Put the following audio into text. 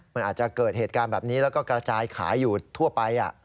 มันอาจจะเกิดเหตุการณ์แบบนี้แล้วก็กระจายขายอยู่ทั่วไป